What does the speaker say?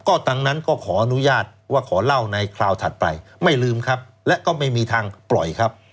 ก็ดังนั้นก็ขออนุญาตว่าขอเล่าในคราวถัดไปไม่ลืมครับและก็ไม่มีทางปล่อยครับ